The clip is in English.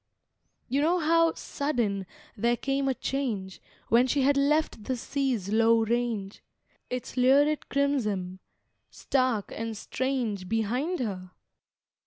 You know how, sudden, there came a change, When she had left the sea's low range, Its lurid crimson, stark and strange, Behind her?